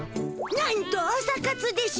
なんと「朝活」でしゅよ。